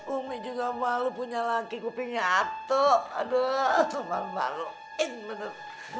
umi juga malu punya laki kupingnya atok aduh cuma maluin bener